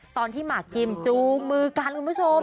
ตอนที่หมากิมจูกมือกันคุณผู้ชม